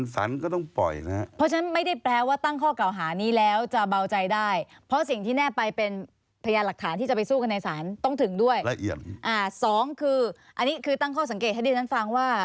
สองคืออันนี้คือตั้งข้อสังเกตให้ได้นั้นฟังว่า